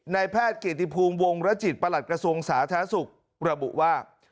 นายแพทย์เกียรติภูมิวงรจิตประหลัดกระทรวงสาธารณสุขระบุว่า